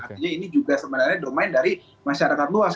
artinya ini juga sebenarnya domain dari masyarakat luas